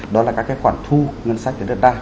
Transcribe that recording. đó là các cái khoản thu ngân sách về đất đai